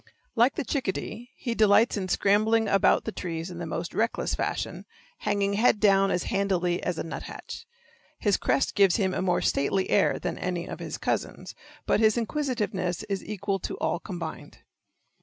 Like the chickadee, he delights in scrambling about the trees in the most reckless fashion, hanging head down as handily as a nuthatch. His crest gives him a more stately air than any of his cousins, but his inquisitiveness is equal to all combined.